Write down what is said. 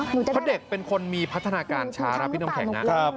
เพราะเด็กเป็นคนมีพัฒนาการช้าครับพี่น้ำแข็งนะ